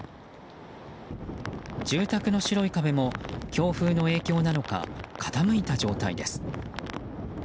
住宅の白い壁も強風の影響なのか傾いた状態です。